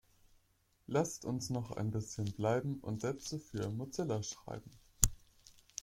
Lasst uns noch ein bisschen bleiben und Sätze für Mozilla schreiben.